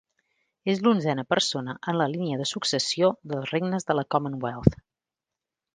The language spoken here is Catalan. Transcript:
És l'onzena persona en la línia de successió dels regnes de la Commonwealth.